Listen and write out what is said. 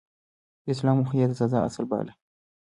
د اصلاح موخه يې د سزا اصل باله.